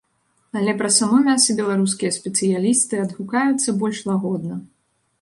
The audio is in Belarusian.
Але пра само мяса беларускія спецыялісты адгукаюцца больш лагодна.